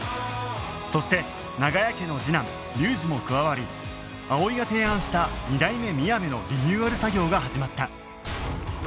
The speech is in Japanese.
そして長屋家の次男龍二も加わり葵が提案した二代目みやべのリニューアル作業が始まった